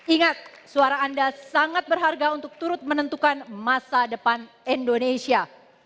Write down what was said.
ingat suara anda sangat berharga untuk turut menentukan masa depan indonesia